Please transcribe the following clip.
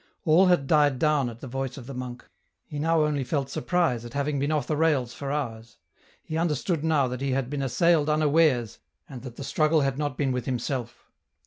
All had died down at the voice of the monk ; he now only felt surprise at having been off the rails for hours ; he understood now that he had been assailed unawares and that the struggle had not been with himself.